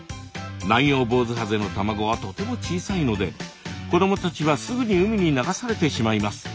ナンヨウボウズハゼの卵はとても小さいので子供たちはすぐに海に流されてしまいます。